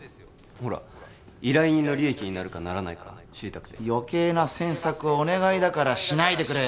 ほら依頼人の利益になるかならないか知りたくて余計な詮索をお願いだからしないでくれよ